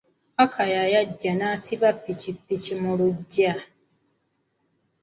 Akaya yajjanga n'asimba pikipiki mu lugya..